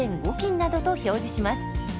斤などと表示します。